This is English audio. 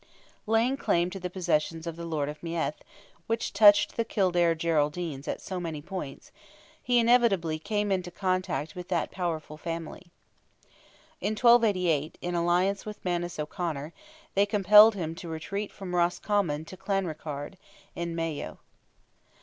Laying claim to the possessions of the Lord of Meath, which touched the Kildare Geraldines at so many points, he inevitably came into contact with that powerful family. In 1288, in alliance with Manus O'Conor, they compelled him to retreat from Roscommon into Clanrickarde, in Mayo.